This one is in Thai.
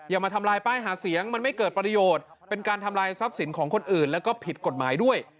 มาทำลายป้ายหาเสียงมันไม่เกิดประโยชน์เป็นการทำลายทรัพย์สินของคนอื่นแล้วก็ผิดกฎหมายด้วย